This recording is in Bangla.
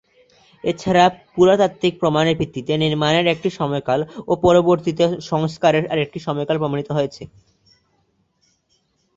এছাড়া পুরাতাত্ত্বিক প্রমাণের ভিত্তিতে নির্মাণের একটি সময়কাল ও পরবর্তিতে সংস্কারের আরেকটি সময়কাল প্রমাণিত হয়েছে।